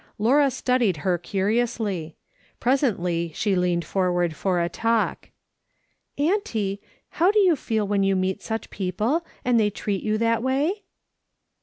Laura studied her curiously. Presently she leaned forward for a talk. " Auntie, how do you feel when you meet such people, and they treat you that way